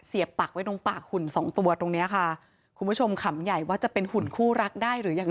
ปักไว้ตรงปากหุ่นสองตัวตรงเนี้ยค่ะคุณผู้ชมขำใหญ่ว่าจะเป็นหุ่นคู่รักได้หรือยัง